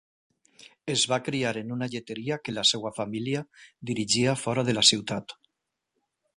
Es va criar en una lleteria que la seva família dirigia fora de la ciutat.